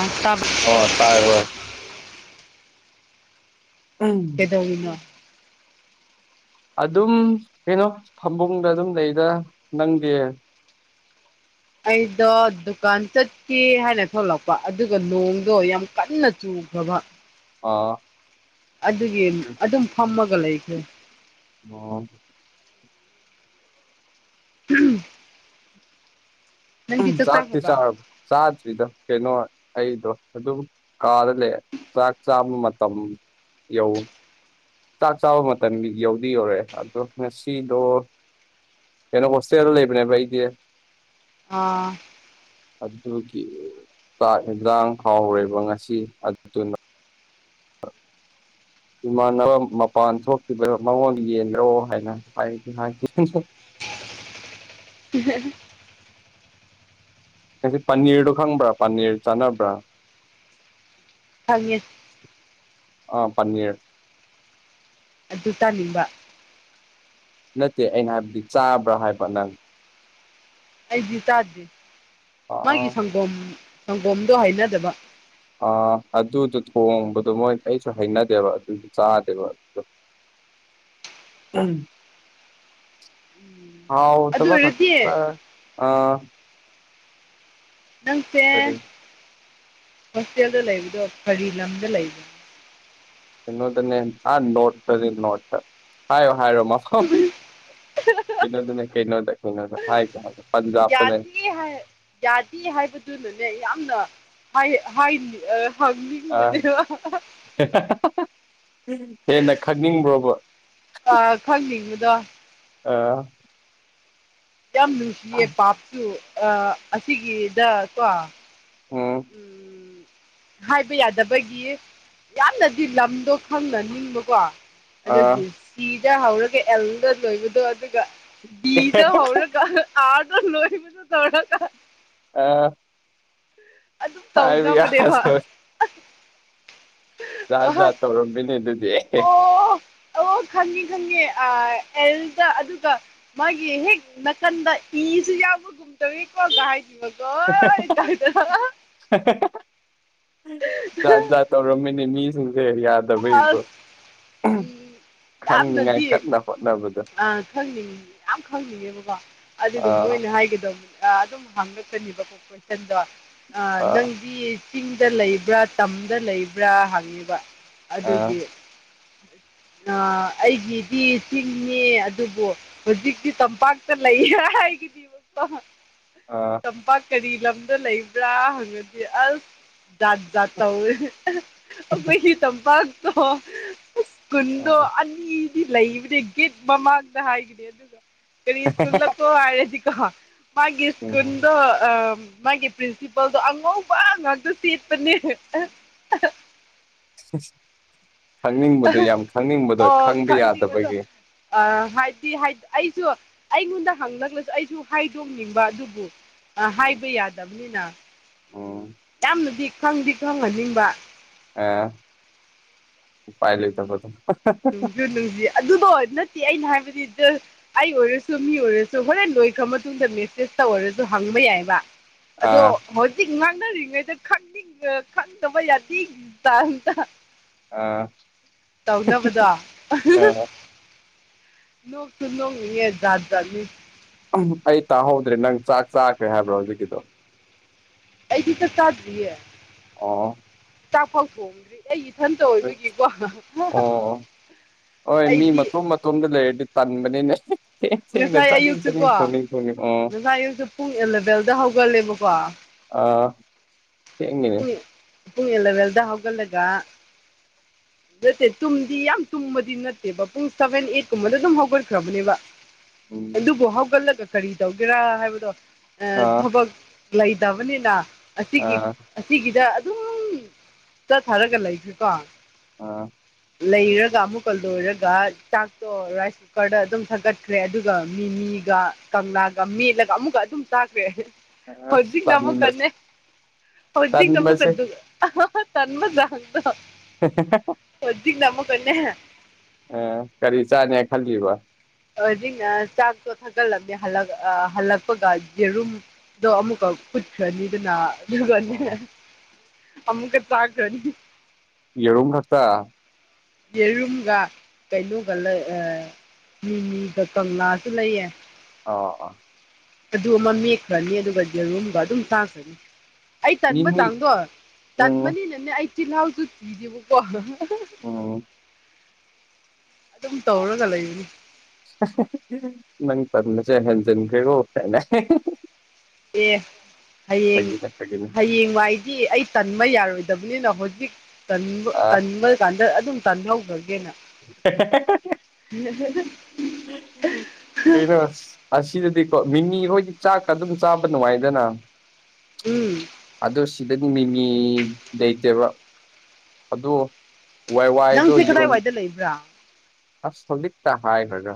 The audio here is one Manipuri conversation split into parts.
ꯑꯥ ꯇꯞ ꯑꯣ ꯇꯥꯏ ꯍꯣꯏ ꯀꯩꯗꯧꯔꯤꯅꯣ ꯑꯗꯨꯝ ꯀꯩꯅꯣ ꯐꯝꯕꯨꯡꯗ ꯑꯗꯨꯝ ꯂꯩꯗ ꯅꯪꯗꯤ ꯑꯩꯗꯣ ꯗꯨꯀꯥꯟ ꯆꯠꯀꯦ ꯍꯥꯏꯅ ꯊꯣꯛꯂꯛꯄ ꯑꯗꯨꯒ ꯅꯣꯡꯗꯣ ꯌꯥꯝ ꯀꯥꯟꯅ ꯆꯨꯈꯔ꯭ꯕ ꯑꯥ ꯑꯗꯨꯒꯤ ꯑꯗꯨꯝ ꯐꯝꯃꯒ ꯂꯩꯈꯔꯦ ꯑꯣ [unintelligible] ꯅꯪꯗꯤ ꯎꯝ ꯆꯥꯛ ꯆꯥꯛꯇꯤ ꯆꯥꯈ꯭ꯔꯕ ꯆꯥꯔ ꯆꯥꯗ꯭ꯔꯤꯗꯥ‌‌ ꯀꯩꯅꯣ ꯑꯩꯗꯣ ꯑꯗꯨꯝ ꯀꯥꯗ ꯂꯩ ꯆꯥꯛ ꯆꯥꯕꯥ ꯃꯇꯝ ꯌꯧ ꯆꯥꯛ ꯆꯥꯕ ꯃꯇꯝ ꯌꯧꯗꯤ ꯌꯧꯔꯛꯑꯦ ꯑꯗꯣ ꯉꯁꯤꯗꯣ ꯀꯩꯅꯣ ꯍꯣꯁꯇꯦꯜꯗ ꯂꯩꯕꯅꯦꯕ ꯑꯩꯗꯤ ꯑꯥ ꯑꯗꯨꯒꯤ ꯆꯥꯛ ꯏꯟꯖꯥꯡ ꯐꯥꯎꯔ‌ꯣꯏꯕ ꯉꯁꯤ ꯑꯥ ꯏꯃꯥꯟꯅꯕ ꯃꯄꯥꯟ ꯊꯣꯛꯈꯤꯕꯔꯣ ꯃꯉꯣꯟꯗ ꯌꯦꯟꯔꯣ ꯍꯥꯏꯅ ꯍꯥꯏꯗꯤ ꯍꯥꯏꯈꯤ [unintelligible] [unintelligible] ꯉꯁꯤ ꯄꯅꯤꯔꯗꯣ ꯈꯪꯕ꯭ꯔꯥ ꯄꯅꯤꯔ ꯆꯥꯅꯕ꯭ꯔꯥ ꯈꯪꯉꯦ ꯑ ꯄꯟꯅꯤꯔ ꯑꯗꯨ ꯆꯥꯅꯤꯡꯕꯥ ꯅꯠꯇꯦ ꯑꯩꯅ ꯍꯥꯏꯕꯗꯤ ꯆꯥꯕ꯭ꯔꯥ ꯍꯥꯏꯕ ꯅꯪ ꯑꯩꯗꯤ ꯆꯥꯗꯦ ꯃꯥꯒꯤ ꯑꯥ ꯁꯪꯒꯣꯝ ꯁꯪꯒꯣꯝꯗꯣ ꯍꯩꯅꯗꯕꯥ ꯑ ꯑꯗꯨꯗꯣ ꯊꯣꯡꯕꯗꯣ ꯃꯣꯏ ꯑꯩꯁꯨ ꯍꯩꯅꯗꯦꯕ ꯑꯗꯨ ꯆꯥꯗꯦꯕꯥ [inaudible] [inaudible] ꯑꯗꯨ ꯍꯥꯎꯇꯥꯕꯥ ꯑꯣꯏꯔꯗꯤ ꯈꯛꯇꯥ ꯑꯥ ꯅꯪꯁꯦ ꯀꯔꯤ ꯍꯣꯁꯇꯦꯜꯗ ꯂꯩꯕꯗꯣ ꯀꯔꯤ ꯂꯝꯗ ꯂꯩꯕ ꯀꯩꯅꯣꯗꯅꯦ ꯑꯥ ꯅꯣꯔꯠꯇꯅꯦ ꯅꯣꯔꯠꯇ ꯍꯥꯏꯌꯣ ꯍꯥꯏꯔꯣ ꯃꯐꯝ ꯀꯩꯅꯣꯗꯅꯦ ꯀꯩꯅꯣꯗ ꯀꯩꯅꯣꯗ ꯍꯥꯏꯒꯦ ꯍꯥꯏꯒꯦ ꯄꯟꯖꯥꯕꯇꯅꯦ ꯌꯥꯅꯤ ꯍꯥꯏ ꯌꯥꯅꯤ ꯍꯥꯏꯕꯗꯨꯅꯅꯦ ꯌꯥꯝꯅ ꯍꯥꯏ ꯍꯥꯏ ꯑꯥ ꯍꯪꯅꯤꯡ ꯑꯥ ꯕꯅꯦꯕꯥ ꯍꯦꯟꯅ ꯈꯪꯅꯤꯡꯕ꯭ꯔꯣꯕ ꯑꯥ ꯈꯪꯅꯤꯡꯕꯗꯣ꯫ ꯑꯥ ꯌꯥꯝ ꯅꯨꯡꯁꯤꯌꯦ ꯄꯥꯞꯁꯨ ꯑꯥ ꯑꯁꯤꯒꯤꯗ ꯀꯣ꯫ ꯎꯝ ꯎꯝ ꯍꯥꯏꯕ ꯌꯥꯗꯕꯒꯤ ꯌꯥꯝꯅꯗꯤ ꯂꯝꯗꯣ ꯈꯪꯅ ꯅꯤꯡꯕꯀꯣ ꯑꯥ ꯑꯗꯨꯒꯤ ꯁꯤꯗ ꯍꯧꯔꯒ ꯑꯦꯜꯗ ꯂꯣꯏꯕꯗꯣ ꯑꯗꯨꯒ ꯕꯤꯗ ꯍꯧꯔꯒ꯫ ꯑꯥꯔꯗ ꯂꫭꯏꯕꯗꫭ ꯇꯧꯔꯒ ꯑ ꯑꯗꯨꯝ ꯇꯧꯅꯕꯅꯦꯕ ꯌꯥꯗꯕ ꯖꯥꯠ ꯖꯥꯠ ꯇꯧꯔꯝꯃꯤꯅꯦ ꯑꯗꯨꯗꯤ ꯑꯣ ꯑꯣ ꯈꯪꯉꯦ ꯈꯪꯉꯦ ꯑꯥ ꯑꯦꯜꯗ ꯑꯗꯨꯒ ꯃꯥꯒꯤ ꯍꯦꯛ ꯅꯀꯟꯗ ꯏꯁꯨ ꯌꯥꯎꯕꯒꯨꯝꯇꯧꯏꯀꯣ ꯒꯥꯏ__ [unintelligible] ꯖꯥꯠ ꯖꯥꯠ ꯇꯧꯔꯝꯃꯤꯅꯤ ꯃꯤꯁꯤꯡꯁꯦ ꯌꯥꯗ ꯗꯦꯕ ꯎꯝ ꯈꯪꯅꯤꯉꯥꯏ ꯀꯟꯅ ꯍꯣꯠꯅ ꯑ ꯈꯪꯅꯤꯡꯉꯤ ꯌꯥꯝ ꯈꯪꯅꯤꯡꯉꯦꯕꯀꯣ ꯑꯗꯨꯒ ꯑꯥ ꯃꯣꯏꯅ ꯍꯥꯏꯒꯗꯧꯕ ꯑꯗꯨꯝ ꯍꯥꯡꯉꯛꯀꯅꯦꯕꯀꯣ ꯀꯣꯏꯁꯟꯗꯣ ꯑ ꯑꯥ ꯅꯪꯗꯤ ꯆꯤꯡꯗ ꯂꯩꯕ꯭ꯔꯥ ꯇꯝꯗ ꯂꯩꯕ꯭ꯔꯥ ꯍꯪꯉꯤꯕ꯫ ꯑꯥ ꯑꯗꯨꯒꯤ ꯑꯩꯒꯤꯗꯤ ꯆꯤꯡꯅꯦ ꯑꯗꯨꯕꯨ__ ꯍꯧꯖꯤꯛꯗꯤ ꯇꯝꯄꯥꯛꯇ ꯂꯩꯌꯦ ꯍꯥꯏꯒꯗꯤꯕꯀꫭ ꯑ ꯇꯝꯄꯥꯛ ꯀꯔꯤ ꯂꯝꯗ ꯂꯩꯕ꯭ꯔꯥ ꯍꯪꯉꯗꯤ ꯑꯁ꯫ ꯖꯥꯠ ꯖꯥꯠ ꯇꯧꯋꯦ ꯑꯩꯈꯣꯏꯒꯤ ꯇꯝꯄꯥꯛꯇꯣ__ ꯏꯁ꯭ꯀꯨꯟꯗꯣ ꯑꯥ ꯑꯅꯤꯗꯤ ꯂꯩꯕꯅꯦ ꯒꯤꯐ ꯃꯃꯥꯡꯗ ꯍꯥꯏꯈꯤꯅꯤ ꯑꯗꯨꯒ__ ꯀꯔꯤ ꯏꯁ꯭ꯀꯨꯜ ꯂꯀꯣ ꯍꯥꯏꯔꯗꯀꫭ ꯃꯥꯒꯤ ꯎꯝ ꯏꯁ꯭ꯀꯨꯜꯗꫭ__ ꯑꯥ ꯃꯥꯒꯤ ꯄ꯭ꯔꯤꯟꯁꯤꯄꯜꯗꯣ ꯑꯉꯧꯕ ꯉꯥꯛꯇ ꯁꯦꯠꯄꯅꯦ꯫ ꯈꯪꯅꯤꯡꯕꯗꯣ ꯌꯥꯝ ꯈꯪꯅꯤꯡꯕꯗꯣ ꯈꯪꯕ ꯌꯥꯗꯕꯒꯤ꯫ ꯑ ꯍꯥꯏꯗꯤ ꯍꯥꯏ ꯑꯩꯁꯨ ꯑꯩꯉꯣꯟꯗ ꯍꯪꯂꯁꯨ ꯑꯩꯁꯨ ꯍꯥꯏꯗꯣꯛꯅꯤꯡꯕ ꯑꯗꯨꯕꯨ__ ꯎꯝ ꯍꯥꯏꯕ ꯌꯥꯗꯕꯅꯤꯅ ꯎꯝ ꯌꯥꯝꯅꯗꯤ ꯈꯪꯗꯤ ꯈꯪꯍꯟꯅꯤꯡꯕ꯫ ꯑ ꯎꯄꯥꯏ ꯎꯝ ꯂꯩꯇꯕꯗꯣ꯫ [unintelligible] ꯑꯗꯨꯗꯣ ꯅꯠꯇꯦ ꯑꯩꯅ ꯍꯥꯏꯕꯗꯤ ꯖꯥꯁ__ ꯑꯩ ꯑꯣꯏꯔꯁꯨ ꯃꯤ ꯑꯣꯏꯔꯁꯨ ꯍꯣꯔꯦꯟ ꯂꫭꯏꯈ꯭ꯔ ꯃꯇꯨꯡꯗ ꯃꯦꯁꯦꯁꯇ ꯑꯣꯏꯔꯁꯨ ꯍꯪꯕ ꯌꯥꯏꯕ꯫ ꯑꯗꯣ ꯍꯧꯖꯤꯛ ꯉꯥꯡꯅꯔꯤꯉꯩꯗ ꯈꯪꯅꯤꯡꯅ ꯈꯪꯗꯕ ꯌꯥꯗꯦꯒꯤ ꯇꯥꯞꯇꯥ꯫ ꯑꯥ ꯇꯧꯅꯕꯗꯣ ꯑꯥ ꯅꯣꯛꯁꯨ ꯅꯣꯛꯅꯤꯡꯉꯦ ꯖꯠꯖꯠꯅꯤ꯫ ꯎꯝ ꯑꯩ ꯇꯥꯍꯧꯗ꯭ꯔꯦ ꯅꯪ ꯆꯥꯛ ꯆꯥꯈꯦ ꯍꯥꯏꯕ꯭ꯔꯣ ꯍꯧꯖꯤꯛꯀꯤꯗꯣ꯫ ꯑꯩꯗꯤ ꯆꯥꯛ ꯆꯥꯗ꯭ꯔꯤꯌꯦ꯫ ꯑꫭ ꯆꯥꯛꯐꯥꯎ ꯊꯣꯡꯗ꯭ꯔꯤ ꯑꯩ ꯏꯊꯟꯇ ꯑꯁ ꯑꯣꯏꯕꯒꯤꯀꯣ ꯑꯣ ꯑꯩꯗꯤ__ ꯏꯇꫭꯝꯗ ꯂꯩꯔꯗꯤ ꯇꯟꯕꯅꯤꯅꯦ꯫ ꯊꯦꯡ ꯊꯦꯡꯅ ꯉꯁꯥꯏ ꯆꯥꯅꯤꯡ ꯑꯌꯨꯛꯁꯨ ꯆꯥꯅꯤꯡ ꯀꯣ ꯊꯣꯡꯅꯤꯡ ꯊꯣꯡꯅꯤꯡ ꯑꯣ ꯉꯁꯥꯏ ꯑꯌꯨꯛꯁꯨ ꯄꯨꯡ ꯑꯦꯂꯚꯦꯟꯗ ꯍꯧꯒꯠꯂꯦꯕꯀꯣ꯫ ꯑꯥ ꯊꯦꯡꯉꯤꯅꯦ ꯄꯨꯡ ꯑꯦꯂꯚꯦꯟꯗ ꯍꯧꯒꯠꯂꯒ꯫ [inaudible] ꯅꯠꯇꯦ ꯇꯨꯝꯗꯤ ꯌꯥꯝ ꯇꯨꯝꯕꯗꯤ ꯅꯠꯇꯦꯕ ꯄꯨꯡ ꯁꯚꯦꯟ ꯑꯩꯠ ꯀꯨꯝꯕꯗ ꯑꯗꯨꯝ ꯍꯧꯒꯠꯈ꯭ꯔꯕꯅꯦꯕ꯫ ꯎꯝ ꯑꯗꯨꯕꯨ ꯍꯧꯒꯠꯂꯒ ꯀꯔꯤ ꯇꯧꯒꯦꯔꯥ ꯍꯥꯏꯕꯗꯣ ꯑꯥ ꯊꯕꯛ__ ꯂꯩꯇꯕꯅꯤꯅ ꯑꯁꯤꯒꯤ__ ꯑꯥ ꯑꯁꯤꯒꯤꯗ ꯑꯗꯨꯝ ꯆꯠꯊꯔꯒ ꯂꯩꯈ꯭ꯔꯦꯀꯣ꯫ ꯑ ꯂꯩꯔꯒ ꯑꯃꯨꯛꯀ ꯂꯣꯏꯔꯒ ꯆꯥꯛꯇꯣ ꯔꯥꯏꯁ ꯀꯨꯀꯔꯗ ꯑꯗꯨꯝ ꯊꯒꯠꯈ꯭ꯔꯦ ꯑꯗꯨꯒ ꯃꯤꯃꯤꯒ ꯀꯪꯂꯥꯒ ꯃꯦꯠꯂꯒ ꯑꯃꯨꯛꯀ ꯑꯗꯨꯝ ꯆꯥꯈ꯭ꯔꯦ ꯍꯧꯖꯤ ꯑꯁ ꯅꯃ ꯇꯟꯕ ꯀꯟꯅꯦ ꯍꯧꯖꯤꯤꯡ ꯅꯝꯕ ꯀ ꯇꯟꯕꯁꯦ ꯑꯗꯨ ꯇꯟꯃꯗ [unintelligible] ꯁꯗꯤꯒ ꯅꯃ ꯀꯅꯦ ꯑ ꯀꯔꯤ ꯆꯥꯅꯤ ꯈꯜꯂꯤꯜꯂꯤꯕ ꯍꯧꯖꯤꯛꯅ ꯆꯥꯛꯇꯣ ꯊꯛꯀꯠꯂꯝꯃꯦ ꯑ ꯍꯜꯂꯛꯄꯒ ꯌꯦꯔꯨꯝ ꯑꯗꯣ ꯑꯃꯨꯛꯀ ꯄꯨꯠꯈꯅꯤꯗꯅ ꯒꯅꯤ ꯑꯣ ꯑꯃꯃꯨꯀ ꯆꯥꯒꯅꯤ ꯌꯦꯔꯝ ꯊꯥꯛꯇꯥ ꯌꯦꯔꯝꯒ ꯀꯩꯩꯅꯣꯒꯂ ꯑ ꯃꯤꯃꯤꯗ ꯀꯪꯂꯥꯁꯨ ꯂꯩꯌꯦ ꯑꯣ ꯑꯣ ꯑꯗꯨ ꯑꯃ ꯃꯦꯛꯈ꯭ꯔꯅꯤ ꯑꯗꯨꯒ ꯌꯦꯔꯨꯝꯒ ꯑꯗꯨꯝ ꯇꯥꯈ꯭ꯔꯅꯤ ꯑꯩ ꯃꯤ ꯇꯟꯕ ꯃꯤ ꯆꯥꯡꯗꯣ ꯎꯝ ꯇꯟꯕꯅꯤꯅꯅꯦ ꯑꯩ ꯇꯤꯜꯍꯥꯎꯁꯨ ꯊꯤꯗꯦꯕꯀꯣ ꯑꯣ ꯑꯗꯨꯝ ꯇꯧꯔꯒ ꯂꯩꯕꯅꯤ ꯅꯪ ꯄꯟꯕꯁꯦ ꯍꯦꯟꯖꯤꯟꯈ꯭ꯔꯦꯔꯣ ꯑꯦ ꯍꯌꯦꯡ ꯐꯥꯒꯤꯅꯦ ꯍꯌꯦꯡ ꯋꯥꯏ ꯑꯩ ꯇꯟꯕ ꯌꯥꯔꯣꯏꯗꯕꯅꯤꯅ ꯍꯧꯖꯤꯛ ꯑꯥ ꯇꯟꯕ ꯀꯥꯟꯗ ꯑꯗꯨꯝ ꯇꯟꯍꯧꯗꯒꯦꯅ ꯎꯝ ꯀꯩꯅ ꯑꯁꯤꯗꯗꯤꯀꯣ ꯃꯤꯅꯤ ꯍꯈꯣꯏꯗꯤ ꯆꯥꯛꯀ ꯑꯗꯨꯝ ꯆꯥꯕ ꯅꯨꯡꯉꯥꯏꯗꯅ ꯎꯝ ꯑꯗꯣ ꯁꯤꯗ ꯅꯨꯃꯤꯅꯤ ꯂꯩꯇꯦꯕ ꯑꯗꯣ ꯋꯥ ꯋꯥꯏꯗꯣ ꯅꯪꯁꯦ ꯌꯟ ꯀꯗꯥꯏꯋꯥꯏꯗ ꯂꯩꯕ꯭ꯔꯥ ꯑ ꯁꯗꯤ ꯇꯥ ꯍꯥꯏ ꯍꯣꯏꯔꯣ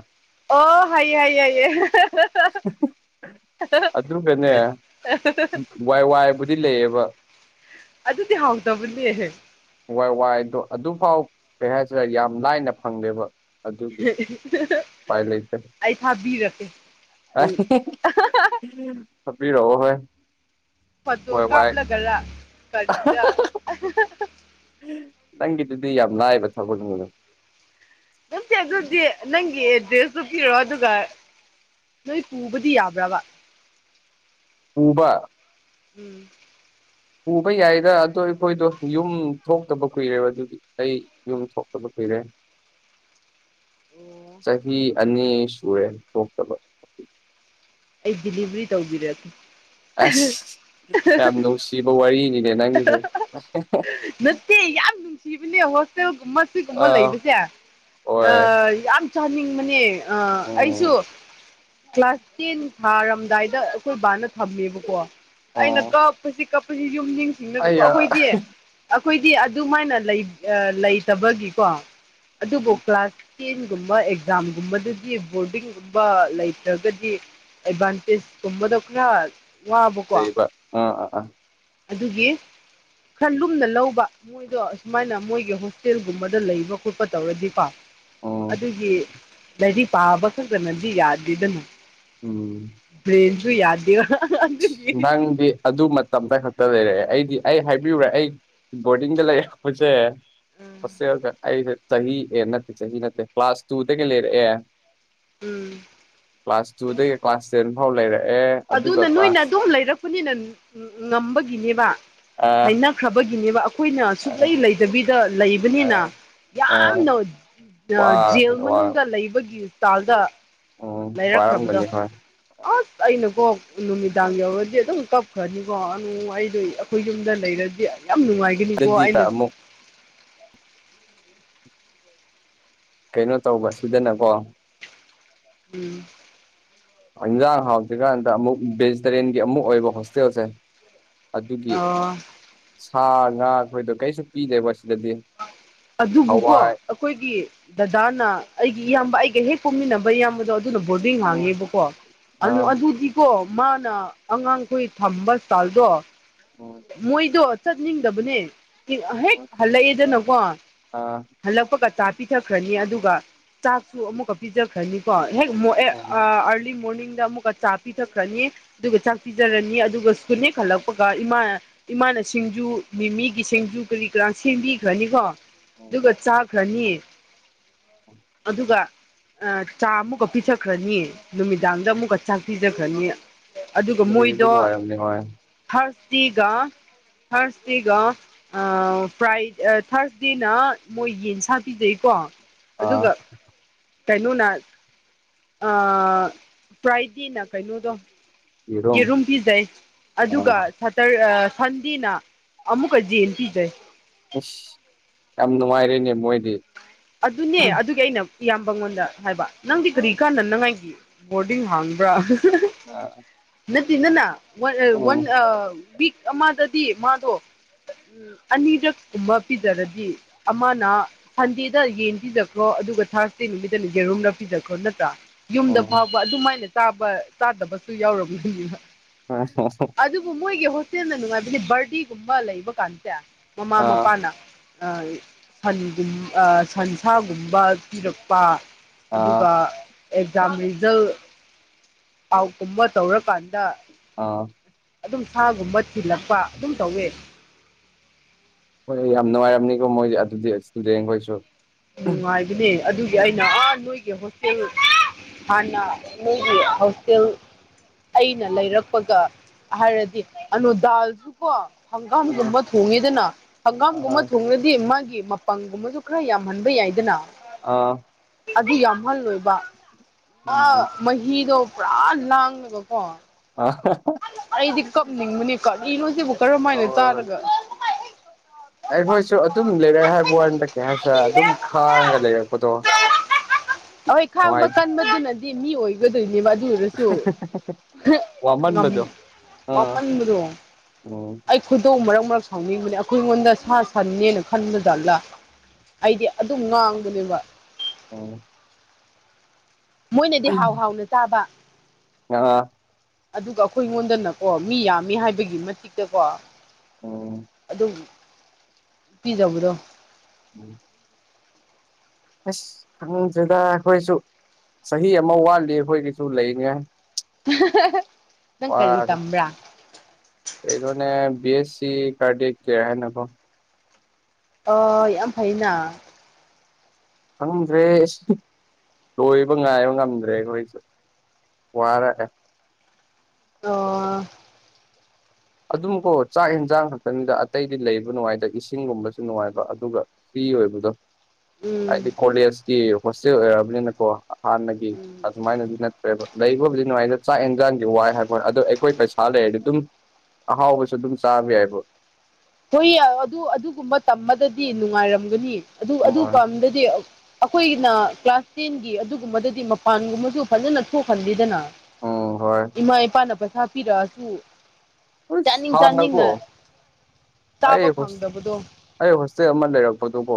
ꯑꯣ ꯍꯥꯏꯌꯦꯌꯦ ꯍꯥꯏꯌꯦꯌꯦ ꯍꯥꯏꯌꯦ ꯑꯗꯨꯒꯅꯦ ꯋꯥꯏ ꯋꯥꯏꯕꯨꯗꯤ ꯂꯩꯌꯦꯕ ꯑꯗꯨꯗꯤ ꯍꯥꯎꯗꯕꯅꯤ ꯋꯥꯏ ꯋꯥꯏꯗꯣ ꯑꯗꯨꯐꯥꯎ ꯀꯩ ꯍꯥꯏꯁꯤꯔꯦ ꯌꯥꯝ ꯂꯥꯏꯅ ꯐꯪꯗꯦꯕ ꯑꯗꯨꯒꯤ ꯎꯄꯥꯏ ꯂꯩꯇꯦ ꯑꯩ ꯊꯥꯕꯤꯔꯀꯦ ꯎ ꯍꯥꯕꯤꯔꯔꯕ ꯍꯣꯏ ꯐꯠꯇꯣ ꯍꯣꯏ ꯋꯥꯏ ꯀꯥꯞꯂꯒꯔ ꯀꯔꯤꯔ ꯅꯪꯒꯤꯗꯨꯗꯤ ꯌꯥꯝ ꯂꯥꯏꯕ ꯊꯒꯜꯅꯤꯡꯗ ꯅꯪꯁꯦ ꯑꯗꯨꯗꯤ ꯅꯪꯒꯤ ꯑꯦꯗ꯭ꯔꯦꯁꯇ ꯄꯤꯔꯣ ꯑꯗꯨꯒ ꯅꯣꯏ ꯄꯨꯕꯗꯤ ꯌꯥꯕ꯭ꯔꯕ ꯎꯕ ꯎꯝ ꯎꯕ ꯌꯥꯏꯗ ꯑꯗꯣ ꯑꯩꯈꯣꯏꯗꯣ ꯌꯨꯝ ꯊꯣꯛꯇꯕ ꯀꯨꯏꯔꯦꯕ ꯑꯗꯨꯗꯤ ꯑꯩ ꯌꯨꯝ ꯊꯣꯛꯇꯕ ꯀꯨꯏꯔꯦ ꯑꯣ ꯆꯍꯤ ꯑꯅꯤ ꯁꯨꯔꯦ ꯊꯣꯛꯇꯕ ꯑꯩ ꯗꯤꯂꯤꯚꯔꯤ ꯇꯧꯕꯤꯔꯦ ꯑꯗꯨ ꯑꯁ ꯌꯥꯝ ꯅꯨꯡꯁꯤꯕ ꯋꯥꯔꯤꯅꯤꯅꯦ ꯅꯪꯒꯤꯗꯤ ꯏꯆꯦ ꯌꯥꯝ ꯅꯨꯡꯁꯤꯕꯅꯦ ꯍꯣꯁꯇꯦꯜꯒꯨꯝꯕ ꯁꯤꯒꯨꯝꯕ ꯑꯥ ꯂꯩꯕꯁꯦ ꯍꯣꯏ ꯌꯥꯝ ꯆꯥꯅꯤꯡꯕꯅꯦ ꯑꯩꯁꯨ ꯎꯝ ꯀ꯭ꯂꯥꯁ ꯇꯦꯟ ꯊꯥꯔꯝꯗꯥꯏꯗ ꯑꯩꯈꯣꯏ ꯕꯥꯅ ꯊꯝꯃꯦꯕꯀꯣ ꯑꯩꯅ ꯑꯣ ꯀꯞꯄꯁꯤ ꯀ ꯑꯩꯈꯣꯏ ꯑꯩ ꯌꯨꯝꯁꯤꯡꯁꯤꯡꯗꯁꯨꯀꯣ ꯑꯩꯈꯣꯏꯗꯤ ꯑꯩꯈꯣꯏꯗꯤ ꯑꯗꯨꯃꯥꯏꯅ ꯂꯩꯇꯕꯒꯤꯀꯣ ꯑꯗꯨꯕꯨ ꯀ꯭ꯂꯥꯁ ꯇꯦꯟꯒꯨꯝꯕ ꯑꯦꯛꯖꯥꯝꯒꯨꯝꯕꯗꯗꯤ ꯕꯣꯔꯗꯤꯡꯒꯨꯝꯕ ꯂꯩꯇ꯭ꯔꯒꯗꯤ ꯑꯦꯗꯚꯥꯟꯇꯦꯖ ꯇꯝꯕꯗꯈꯔ ꯀꯩꯕ ꯑꯥ ꯑꯥ ꯑꯥ ꯑꯗꯨꯒꯤ ꯈꯔ ꯂꯨꯝꯅ ꯂꯧꯕ ꯃꯣꯏꯗꯣ ꯑꯁꯨꯃꯥꯏꯅ ꯃꯣꯏꯒꯤ ꯍꯣꯁꯇꯦꯜꯒꯨꯝꯕꯗ ꯂꯩꯕ ꯈꯣꯠꯄ ꯇꯧꯔꯗꯤꯀꯣ ꯎꯝ ꯑꯗꯨꯒꯤ ꯂꯥꯏꯔꯤ ꯄꯥꯕ ꯈꯛꯇꯅꯗꯤ ꯌꯥꯗꯦꯗꯅꯣ ꯎꯝ ꯕ꯭ꯔꯟꯁꯨ ꯌꯥꯗ꯭ꯔꯤ ꯅꯪꯗꯤ ꯑꯗꯨ ꯃꯇꯝꯇ ꯈꯛꯇ ꯂꯩꯔꯛꯑꯦ ꯑꯩꯗꯤ ꯑꯩ ꯍꯥꯏꯕꯤꯌꯨꯔꯦ ꯑꯩ ꯕꯣꯔꯗꯤꯡꯗ ꯂꯩꯔꯛꯄꯁꯦ ꯁꯦ ꯑꯩꯁꯦ ꯆꯍꯤ ꯑꯦ ꯅꯠꯇꯦ ꯆꯍꯤ ꯅꯠꯇꯦ ꯀ꯭ꯂꯥꯁ ꯇꯨꯗꯒꯤ ꯂꯩꯔꯦ ꯎꯝ ꯀ꯭ꯂꯥꯁ ꯇꯨꯗꯒꯤ ꯀ꯭ꯂꯥꯁ ꯇꯦꯟ ꯐꯥꯎ ꯂꯩꯔꯛꯑꯦ ꯑꯗꯨꯒ ꯑꯗꯨꯅ ꯅꯣꯏꯅ ꯀ꯭ꯂꯥꯁ ꯑꯗꯨꯝ ꯂꯩꯔꯛꯄꯅꯤꯅ ꯉꯝꯕꯒꯤꯅꯦꯕ ꯑ ꯍꯩꯅꯈ꯭ꯔꯕꯒꯤꯅꯦꯕ ꯑꯩꯈꯣꯏꯅ ꯑ ꯁꯨꯛꯂꯩ ꯂꯩꯇꯕꯤꯗ ꯑ ꯂꯩꯕꯅꯤꯅ ꯌꯥꯝꯅ ꯑ ꯖꯦꯜ ꯋꯥ ꯃꯅꯨꯡꯗ ꯂꯩꯕꯒꯤ ꯍꯄꯤꯇꯥꯜꯗ ꯎꯝ ꯂꯩꯔꯛꯈ꯭ꯔꯕꯗꯣ ꯋꯥꯔꯝꯒꯅꯤ ꯍꯣꯏ ꯑꯁ ꯑꯩꯅ ꯀꯣꯛ ꯅꯨꯃꯤꯗꯥꯡ ꯌꯧꯔꯗꯤ ꯑꯗꯨꯝ ꯀꯞꯈ꯭ꯔꯅꯤꯀꯣ ꯑꯗꯨ ꯑꯩꯗꯣ ꯑꯩꯈꯣꯏ ꯌꯨꯝꯗ ꯂꯩꯔꯗꯤ ꯌꯥꯝ ꯅꯨꯡꯉꯥꯏꯒꯅꯤꯀꯣ ꯑꯗꯨꯗꯤ ꯑꯩꯅ ꯑꯃꯨꯛ ꯀꯩꯅꯣ ꯇꯧꯕ ꯁꯗꯅꯀꯣ ꯎꯝ ꯏꯟꯖꯥꯡ ꯍꯥꯎꯗ꯭ꯔꯤꯀꯥꯟꯗ ꯑꯃꯨꯛ ꯚꯦꯖꯤꯇꯔꯦꯟꯒꯤ ꯑꯃꯨꯛ ꯑꯣꯏꯕ ꯍꯣꯁꯇꯦꯜꯁꯦ ꯑꯗꯨꯒꯤ ꯑ ꯁꯥ ꯉꯥ ꯑꯩꯈꯣꯏꯗꯣ ꯀꯩꯁꯨ ꯄꯤꯗꯦꯕ ꯁꯤꯗꯗꯤ ꯑꯗꯨꯕꯨꯀꯣ ꯍꯋꯥꯏ ꯑꯩꯈꯣꯏꯒꯤ ꯗꯗꯥꯅ ꯑꯩꯒꯤ ꯏꯌꯥꯝꯕ ꯑꯩꯒ ꯍꯦꯛ ꯄꯨꯝꯃꯤꯟꯅꯕ ꯏꯌꯥꯝꯕꯗꯣ ꯑꯗꯨꯗ ꯕꯣꯔꯗꯤꯡ ꯎꯝ ꯍꯥꯡꯉꯦꯕꯀꯣ ꯑꯥ ꯑꯗꯨꯗꯤ ꯀꯣ ꯃꯥꯅ ꯑꯉꯥꯡꯈꯣꯏ ꯊꯝꯕ ꯏꯁꯇꯥꯜꯗꯣ ꯎꯝ ꯃꯣꯏꯗꯣ ꯆꯠꯅꯤꯡꯗꯕꯅꯦ ꯍꯦꯛ ꯍꯜꯂꯛꯑꯦꯗꯅꯀꯣ ꯑꯥ ꯍꯜꯂꯛꯄꯒ ꯆꯥ ꯄꯤꯊꯈ꯭ꯔꯅꯤ ꯑꯗꯨꯒ ꯆꯥꯛꯁꯨ ꯑꯃꯨꯛꯀ ꯄꯤꯖ ꯈ꯭ꯔꯅꯤꯀꯣ ꯍꯦꯛ ꯎꯝ ꯑꯥꯔꯂꯤ ꯃꯣꯔꯅꯤꯡꯗ ꯑꯃꯨꯛꯀ ꯆꯥ ꯄꯤꯊꯛꯈ꯭ꯔꯅꯤ ꯑꯗꯨꯒ ꯆꯥꯛ ꯄꯤꯖꯔꯅꯤ ꯑꯗꯨꯒ ꯁꯨꯅꯦꯦꯛ ꯈꯜꯂꯛꯄꯒ ꯏꯃꯥ ꯏꯃꯥꯅ ꯁꯤꯡꯖꯨ ꯃꯤꯒꯤ ꯁꯤꯡꯖꯨ ꯀꯔꯤ ꯀꯔꯥ ꯁꯦꯝꯕꯤꯈ꯭ꯔꯅꯤꯀꯣ ꯎꯝ ꯑꯗꯨꯒ ꯆꯥꯈ꯭ꯔꯅꯤ ꯑꯗꯨꯒ ꯆꯥ ꯑꯃꯨꯛꯀ ꯄꯤꯖꯈ꯭ꯔꯅꯤ ꯅꯨꯃꯤꯗꯥꯡꯗ ꯑꯃꯨꯛꯀ ꯆꯥꯛ ꯄꯤꯖꯈ꯭ꯔꯅꯤ ꯑꯗꯨꯒ ꯂꯩꯔꯤꯕ ꯃꯣꯏꯗꯣ ꯅꯨꯡꯉꯥꯏꯔꯝꯅꯤ ꯍꯣꯏ ꯊ꯭ꯔꯁꯗꯦꯒ ꯊ꯭ꯔꯁꯗꯦꯒ ꯐ꯭ꯔꯥꯏ ꯊꯔꯁꯦ ꯁꯤꯅ ꯃꯣꯏ ꯌꯦꯟꯁꯥ ꯄꯤꯖꯩꯀꯣ ꯑꯥ ꯑꯗꯨꯒ ꯀꯩꯅꯣꯅ ꯑ ꯄ꯭ꯔꯥꯏꯗꯤꯅ ꯀꯩꯅꯣꯗꯣ ꯌꯦꯔꯨꯝ ꯄꯤꯖꯩ ꯑꯗꯨꯒ ꯑꯥ ꯁꯇꯔ ꯁꯟꯗꯦꯅ ꯑꯃꯨꯛꯀ ꯖꯟ ꯄꯤꯖꯩ ꯑꯁ ꯌꯥꯝ ꯅꯨꯡꯉꯥꯏꯔꯦꯅꯦ ꯃꯣꯏꯗꯤ ꯑꯗꯨꯅꯦ ꯑꯗꯨꯒꯤ ꯑꯩꯅ ꯏꯌꯥꯝꯕꯉꯣꯟꯗ ꯍꯥꯏꯕ ꯅꯪꯗꯤ ꯀꯔꯤ ꯀꯥꯟꯗꯅꯉꯥꯏꯒꯤ ꯕꯣꯔꯗꯤꯡ ꯍꯥꯡꯕ꯭ꯔꯥ ꯑ ꯅꯠꯇ ꯅꯅ ꯋꯥꯟ ꯋꯤꯛ ꯑꯃꯗꯗꯤ ꯃꯥꯗꯣ ꯑꯅꯤꯔꯛ ꯀꯨꯝꯕ ꯄꯤꯖꯔꯗꯤ ꯑꯃꯅ ꯐꯟꯗꯦ ꯗ ꯌꯦꯟ ꯄꯤꯖꯈ꯭ꯔꯣ ꯑꯗꯨꯒ ꯊꯥꯔꯁ ꯗꯦ ꯅꯨꯃꯤꯠꯇꯅ ꯌꯦꯔꯨꯝꯅ ꯄꯤꯖꯈ꯭ꯔꯣ ꯅꯠꯇ꯭ꯔꯥ ꯌꯨꯝꯗ ꯎꯝ ꯐꯥꯎꯕ ꯑꯗꯨꯃꯥꯏꯅ ꯆꯥꯕ ꯆꯥꯗꯕꯁꯨ ꯌꯥꯎꯔꯝꯗꯅꯤꯅ ꯑꯥ ꯑꯗꯨꯕꯨ ꯃꯣꯏꯒꯤ ꯏꯁꯦꯟꯅ ꯅꯨꯡꯉꯥꯏꯕꯗꯤ ꯕꯔꯗꯦꯒꯨꯝꯕ ꯂꯩꯕ ꯀꯥꯟꯁꯦ ꯃꯃꯥ ꯃꯄꯥꯅ ꯑ ꯁꯟꯒꯨꯝ ꯁꯟꯁꯥꯒꯨꯝꯕ ꯄꯤꯔꯛꯄ ꯑꯥ ꯑꯗꯨꯒ ꯑꯦꯛꯖꯥꯝ ꯔꯤꯖꯜ ꯄꯥꯎ ꯀꯨꯝꯕ ꯇꯧꯔꯀꯥꯟꯗ ꯑꯥ ꯑꯗꯨꯝ ꯁꯥꯒꯨꯝꯕ ꯊꯤꯜꯂꯛꯄ ꯑꯗꯨꯝ ꯇꯧꯋꯦ ꯍꯣꯏ ꯌꯥꯝ ꯅꯨꯡꯉꯥꯏꯔꯝꯅꯤꯀꯣ ꯃꯣꯏ ꯑꯗꯨꯗꯤ ꯏꯁꯇꯨꯗꯦꯟꯈꯣꯏꯁꯨ ꯅꯨꯡꯉꯥꯏꯕꯅꯦ ꯑꯗꯨꯒꯤ ꯑꯩꯅ ꯑꯥ ꯅꯣꯏꯒꯤ ꯍꯣꯁꯇꯦꯜ ꯍꯥꯟꯅ ꯃꯣꯢꯒꯤ ꯍꯣꯁꯇꯦꯜ ꯑꯩꯅ ꯂꯩꯔꯛꯄꯒ ꯍꯥꯏꯔꯗꯤ ꯑꯅꯨ ꯗꯥꯜꯁꯨ ꯀꯣ ꯑꯥ ꯍꯪꯒꯥꯝꯒꯨꯝꯕ ꯊꯣꯡꯉꯤꯗꯅ ꯍꯪꯒꯥꯝꯒꯨꯝꯕ ꯑꯥ ꯊꯣꯡꯉꯗꯤ ꯃꯥꯒꯤ ꯄꯪꯒꯨꯝꯕꯁꯨ ꯈꯔ ꯌꯥꯝꯍꯟꯕ ꯌꯥꯏꯗꯅ ꯑꯥ ꯑꯗꯨ ꯌꯥꯝꯍꯜꯂꯣꯏꯕ ꯑ ꯎꯝ ꯃꯤꯗꯣ ꯄꯨꯔꯥ ꯂꯥꯡꯉꯦꯕꯀꯣ ꯑ ꯍ ꯍ ꯑꯩꯗꯤ ꯀꯞꯅꯤꯡꯕꯅꯦ ꯀꯔꯤꯅꯣ ꯁꯤꯕꯨ ꯀꯔꯝꯃ ꯍꯥꯏꯅ ꯆꯥꯒꯗ꯭ꯔ ꯑꯩꯈꯣꯏꯁꯨ ꯑꯗꯨꯝ ꯂꯩꯔꯛꯑꯦ ꯍꯥꯏꯕ ꯋꯥꯗ ꯀꯩ ꯍꯥꯏꯁꯤꯔ ꯑꯗꯨꯝ ꯈꯥꯡꯉꯒ ꯂꯩꯔꯛꯄꯗꯣ ꯍꯣꯏ ꯈꯥꯡꯕ ꯅꯨꯡꯉꯥꯏ ꯀꯟꯕꯗꯨꯅꯗꯤ ꯃꯤ ꯑꯣꯏ ꯒꯗꯣꯏꯅꯦꯕ ꯑꯗꯨ ꯑꯣꯏꯔꯁꯨ ꯉꯝ ꯋꯥꯃꯟꯕꯗꯣ ꯑꯥ ꯋꯥꯃꯟꯕꯗꯣ ꯎꯝ ꯑꯩ ꯈꯨꯏꯗꯧ ꯃꯔꯛ ꯃꯔꯛ ꯁꯥꯎꯅꯤꯡꯕꯅꯤ ꯑꯩꯈꯣꯏꯉꯣꯟꯗ ꯁꯥ ꯁꯟꯅꯦꯅ ꯈꯟꯕꯖꯠꯂꯥ ꯑꯩꯗꯤ ꯑꯗꯨꯝ ꯉꯥꯡꯕꯅꯦꯕ ꯑꯣ ꯃꯣꯏꯅꯗꯤ ꯍꯥꯎ ꯍꯥꯎꯅ ꯆꯥꯕ ꯑꯥ ꯑꯗꯨꯒ ꯑꯈꯣꯏ ꯑꯩꯉꯣꯟꯗꯅꯀꯣ ꯃꯤ ꯌꯥꯝꯃꯤ ꯍꯥꯏꯕꯒꯤ ꯃꯇꯤꯛꯇ ꯀꯣ ꯎꯝ ꯑꯗꯨ ꯄꯤꯖꯕꯗꯣ ꯎꯝ ꯑꯁ ꯈꯪꯗ꯭ꯔꯦꯗ ꯑꯈꯣꯏꯁꯨ ꯆꯍꯤ ꯑꯃ ꯋꯥꯠꯂꯤ ꯑꯩꯈꯣꯏꯒꯤꯁꯨ ꯂꯩꯌꯦ ꯅꯪ ꯀꯔꯤ ꯇꯝꯕ꯭ꯔꯥ ꯀꯩꯅꯣꯅꯦ ꯕꯤ ꯑꯦꯁ ꯁꯤ ꯀꯥꯔꯗ ꯀꯌꯥꯔ ꯍꯥꯏꯅꯀꯣ ꯑꯣ ꯌꯥꯝ ꯐꯩꯅ ꯈꯪꯗ꯭ꯔꯦ ꯂꯣꯏꯕ ꯉꯥꯏꯕ ꯉꯝꯗ꯭ꯔꯦ ꯑꯩꯈꯣꯏꯁꯦ ꯋꯥꯔꯦ ꯑꯣ ꯑꯗꯨꯝꯀꯣ ꯆꯥꯛ ꯑꯦꯟꯖꯥꯡ ꯈꯛꯇꯅꯤꯗ ꯑꯇꯩꯗꯤ ꯂꯩꯕ ꯅꯨꯡꯉꯥꯏꯗ ꯏꯁꯤꯡꯒꯨꯝꯕꯁꯨ ꯅꯨꯡꯉꯥꯏꯕ ꯑꯗꯨꯒ ꯐ꯭ꯔꯤ ꯑꯣꯏꯕꯗꯣ ꯎꯝ ꯍꯥꯏꯗꯤ ꯀꯣꯂꯦꯖꯀꯤ ꯍꯣꯁꯇꯦꯜ ꯑꯣꯏꯛꯑꯔꯕꯅꯤꯅꯀꯣ ꯍꯥꯟꯅꯒꯤ ꯎꯝ ꯑꯗꯨꯃꯥꯏꯅꯗꯤ ꯅꯠꯇ꯭ꯔꯦꯕ ꯂꯩꯕꯕꯨꯗꯤ ꯅꯨꯡꯉꯥꯏꯅ ꯆꯥꯛ ꯑꯦꯟꯖꯥꯡꯒꯤ ꯋꯥꯏ ꯍꯥꯏꯕ ꯑꯗꯣ ꯑꯩꯈꯣꯏ ꯄꯩꯁꯥ ꯂꯩꯔꯗꯤ ꯑꯗꯨꯝ ꯑꯍꯥꯎꯕꯁꯨ ꯑꯗꯨꯝ ꯆꯥꯕ ꯌꯥꯏꯕ ꯍꯣꯏ ꯑꯗꯨ ꯑꯗꯨꯒꯨꯝꯕ ꯇꯝꯕꯗꯗꯤ ꯅꯨꯡꯉꯥꯏꯔꯝꯒꯅꯤ ꯑꯗꯨ ꯑꯗꯨ ꯎꯝ ꯀꯥꯟꯗꯗꯤ ꯑꯈꯣꯏꯅ ꯀ꯭ꯂꯥꯁ ꯇꯦꯟꯒꯤ ꯑꯗꯨꯒꯨꯝꯕꯗꯗꯤ ꯃꯄꯥꯟꯒꯨꯝꯕꯁꯨ ꯐꯖꯅ ꯊꯣꯛꯍꯟꯕꯤꯗꯅ ꯑꯣ ꯍꯣꯏ ꯏꯃꯥ ꯏꯄꯥꯅ ꯄꯩꯁꯥ ꯄꯤꯔꯛꯑꯁꯨ ꯎꯁ ꯆꯥꯅꯤꯡ ꯍꯥꯟꯅꯀꯣ ꯆꯥꯅꯤꯡꯅ ꯑꯩ ꯆꯥꯕ ꯎꯁ ꯐꯪꯗꯕꯗꯣ ꯑꯩ ꯍꯣꯁꯇꯦꯜ ꯑꯃ ꯂꯩꯔꯛꯄꯗꯨꯀꯣ